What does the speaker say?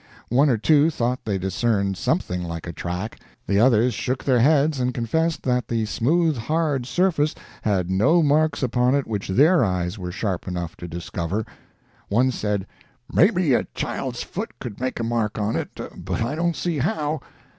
One or two thought they discerned something like a track; the others shook their heads and confessed that the smooth hard surface had no marks upon it which their eyes were sharp enough to discover. One said, "Maybe a child's foot could make a mark on it, but I don't see how."